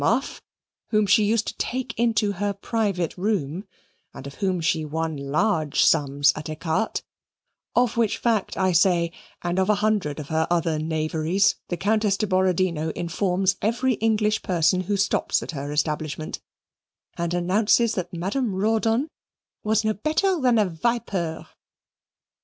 Muff, whom she used to take into her private room, and of whom she won large sums at ecarte of which fact, I say, and of a hundred of her other knaveries, the Countess de Borodino informs every English person who stops at her establishment, and announces that Madame Rawdon was no better than a vipere.